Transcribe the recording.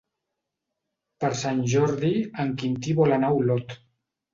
Per Sant Jordi en Quintí vol anar a Olot.